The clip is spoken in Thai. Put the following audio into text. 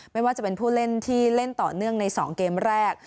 ไม่ว่าจะเป็นผู้เล่นที่เล่นต่อเนื่องใน๒เกมแรก